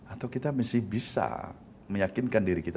atau kita mesti bisa meyakinkan diri kita